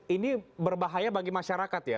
ini berbahaya bagi masyarakat ya